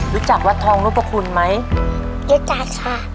รู้จักวัดทองนพคุณไหมรู้จักค่ะ